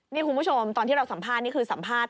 นี่คุณผู้ชมตอนที่เราสัมภาษณ์นี่คือสัมภาษณ์